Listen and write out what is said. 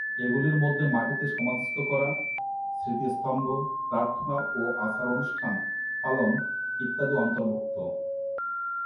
এগুলির মধ্যে মাটিতে সমাধিস্থ করা, স্মৃতিস্তম্ভ, প্রার্থনা ও আচার-অনুষ্ঠান পালন, ইত্যাদি অন্তর্ভুক্ত।